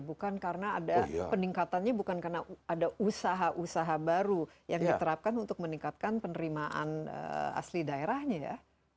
bukan karena ada peningkatannya bukan karena ada usaha usaha baru yang diterapkan untuk meningkatkan penerimaan asli daerahnya ya